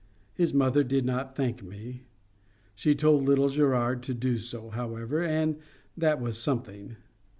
His mother did not thank me. She told little Gerard to do so, however, and that was something.